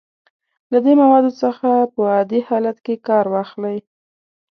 له دې موادو څخه په عادي حالت کې کار واخلئ.